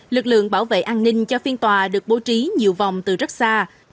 lực lượng bảo vệ an ninh cho phiên tòa được bố trí nhiều vòng từ rất xa